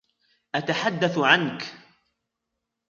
أتحدث عنك.